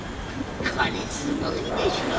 これすごいでしょ。